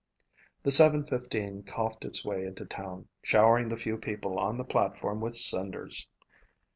The seven fifteen coughed its way into town, showering the few people on the platform with cinders.